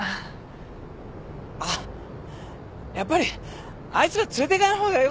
あっやっぱりあいつら連れていかない方がよかったかな。